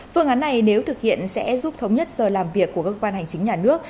phương án này nếu thực hiện sẽ giúp thống nhất giờ làm việc của cơ quan hành chính nhà nước